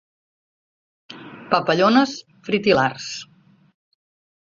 Papallones fritil·lars.